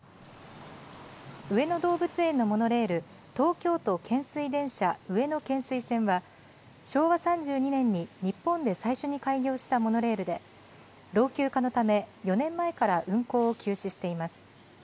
上野動物園のモノレール、東京都懸垂電車上野懸垂線は、昭和３２年に日本で最初に開業したモノレールで、老朽化のため、４年前から運行を休止しています。